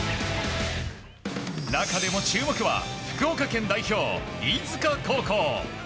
中でも注目は福岡県代表飯塚高校。